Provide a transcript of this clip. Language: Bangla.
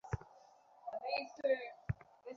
আমি যে তোর কাশী পর্যন্ত টিকিট করিয়া দিয়াছি।